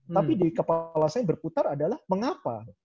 tapi di kepala saya berputar adalah mengapa